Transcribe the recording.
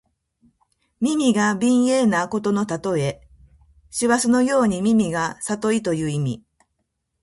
耳が鋭敏なことのたとえ。師曠のように耳がさといという意味。